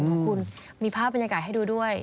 ขอบคุณมีภาพบรรยากาศให้ดูด้วย